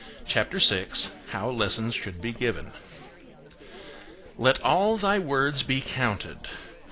CHAPTER VI HOW LESSONS SHOULD BE GIVEN "Let all thy words be counted."